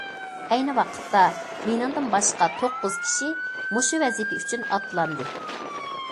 ئەينى ۋاقىتتا مېنىڭدىن باشقا توققۇز كىشى مۇشۇ ۋەزىپە ئۈچۈن ئاتلاندى.